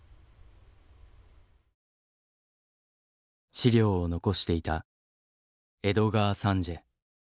資料を残していたエドガー・サンジエ。